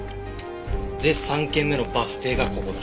で３件目のバス停がここだ。